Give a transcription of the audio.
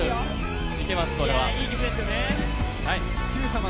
いけます、これは。